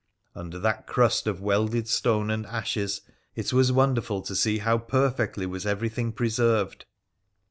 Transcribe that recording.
Under that crust of welded stone and ashes it was wonderful to see how perfectly was everything preserved.